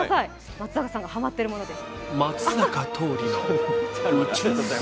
松坂さんがハマっているものです。